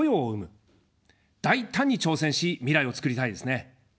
大胆に挑戦し、未来を作りたいですね。